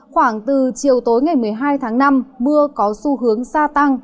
khoảng từ chiều tối ngày một mươi hai tháng năm mưa có xu hướng xa tăng